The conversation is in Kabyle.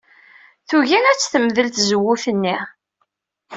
Tugi ad temdel tzewwut-nni.